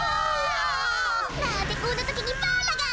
なんでこんなときにバラが！